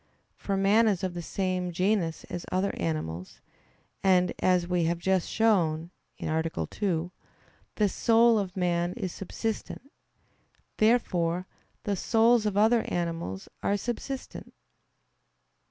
For man is of the same genus as other animals; and, as we have just shown (A. 2), the soul of man is subsistent. Therefore the souls of other animals are subsistent.